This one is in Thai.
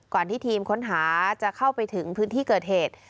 ที่ทีมค้นหาจะเข้าไปถึงพื้นที่เกิดเหตุ